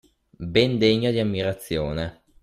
Ben degna di ammirazione